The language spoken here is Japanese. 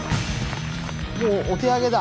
もうお手上げだ！